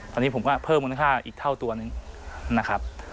ตอนนี้ผมก็เพิ่มมูลค่าอีกเท่าตัวหนึ่งนะครับ